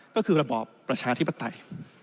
ก็คือระบอบประชาธิปไตย